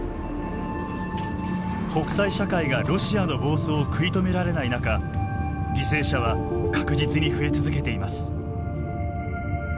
国際社会が、ロシアの暴走を食い止められない中犠牲者は確実に増え続けています。